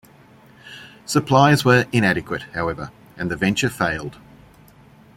Supplies were inadequate, however, and the venture failed.